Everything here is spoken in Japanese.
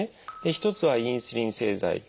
一つはインスリン製剤。